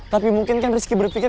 tapi mungkin kan rizky berpikir